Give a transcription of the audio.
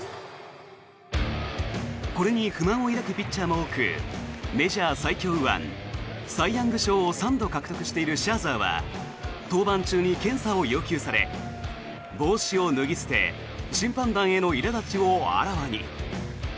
これに不満を抱くピッチャーも多くメジャー最強右腕サイ・ヤング賞を３度獲得しているシャーザーは登板中に検査を要求され帽子を脱ぎ捨て審判団へのいら立ちをあらわに。